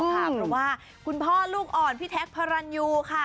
เพราะว่าคุณพ่อลูกอ่อนพี่แท็กพระรันยูค่ะ